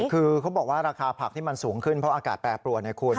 คือเขาบอกว่าราคาผักที่มันสูงขึ้นเพราะอากาศแปรปรวนไงคุณ